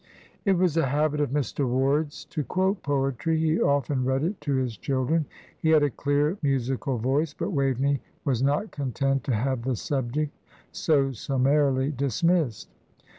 It was a habit of Mr. Ward's to quote poetry; he often read it to his children; he had a clear, musical voice. But Waveney was not content to have the subject so summarily dismissed.